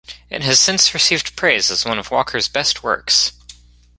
It has since received praise as one of Walker's best works.